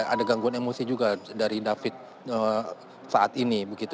ada gangguan emosi juga dari david saat ini